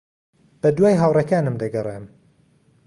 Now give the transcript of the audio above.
بەدوای ھاوڕێکانم دەگەڕێم.